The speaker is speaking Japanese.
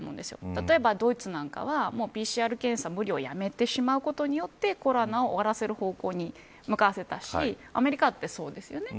例えばドイツなんかはＰＣＲ検査無料やめてしまうことによってコロナを終わらせる方向に向かわせたしアメリカだってそうですよね。